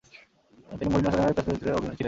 তিনি মরিন ওসালিভানের পিতার চরিত্রে ছিলেন।